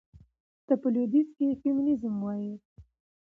ته په لوىديځ کې فيمينزم وايي.